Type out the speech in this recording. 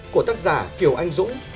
của tác giả kiều anh dũng